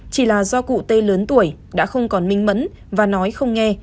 chỉ là do cụ tây lớn tuổi đã không còn minh mẫn và nói không nghe